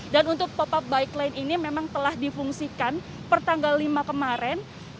dan untuk pop up bike lane ini memang telah difungsikan pertanggal lima kemarin